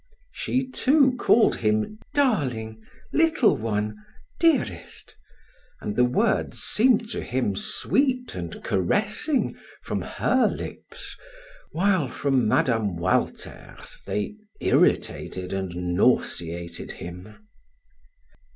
She too, called him "darling, little one, dearest," and the words seemed to him sweet and caressing from her lips, while from Mme. Walter's they irritated and nauseated him.